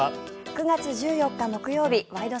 ９月１４日、木曜日「ワイド！